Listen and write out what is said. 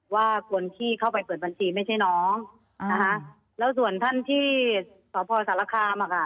ว่าคนที่เข้าไปเปิดบัญชีไม่ใช่น้องนะคะแล้วส่วนท่านที่สพสารคามอ่ะค่ะ